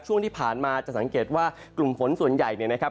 ช่วงที่ผ่านมาจะสังเกตว่ากลุ่มฝนส่วนใหญ่เนี่ยนะครับ